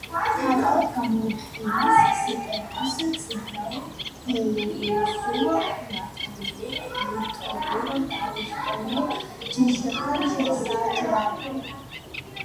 ფართოდ გამოიყენეს სტეპის წითელ, ბელორუსულ, ლატვიურ, ლიტვურ და ესტონურ ჯიშებთან შესაჯვარებლად.